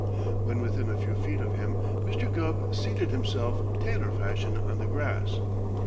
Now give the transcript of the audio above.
When within a few feet of him, Mr. Gubb seated himself tailor fashion on the grass.